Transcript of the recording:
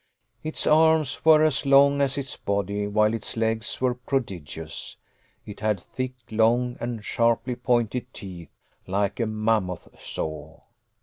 Its arms were as long as its body, while its legs were prodigious. It had thick, long, and sharply pointed teeth like a mammoth saw.